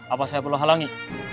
apa saya perlu halangi